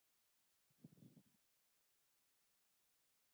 سنگ مرمر د افغانستان د چاپیریال ساتنې لپاره مهم دي.